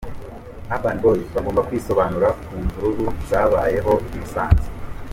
Urban Boyz bagomba kwisobanura ku mvururu zababayeho i Musanze.